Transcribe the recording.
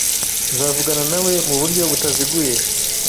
Nzavugana nawe muburyo butaziguye.